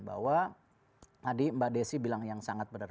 bahwa tadi mbak desi bilang yang sangat benar